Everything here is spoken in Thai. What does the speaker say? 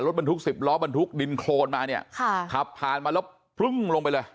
รถบรรทุกสิบล้อบรรทุกดินโครนมาเนี่ยค่ะขับผ่านมาแล้วพลึ้งลงไปเลย